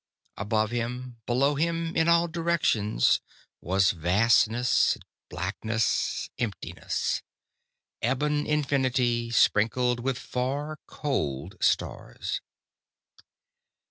Above him, below him, in all directions was vastness, blackness, emptiness. Ebon infinity, sprinkled with far, cold stars.